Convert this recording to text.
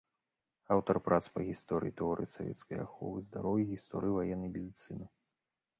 Аўтар прац па гісторыі і тэорыі савецкага аховы здароўя, гісторыі ваеннай медыцыны.